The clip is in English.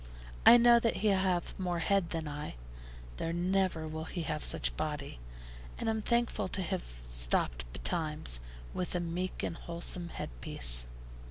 I know that he hath more head than I though never will he have such body; and am thankful to have stopped betimes, with a meek and wholesome head piece.